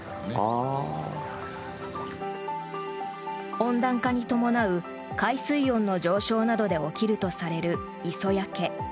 温暖化に伴う海水温の上昇などで起きるとされる磯焼け。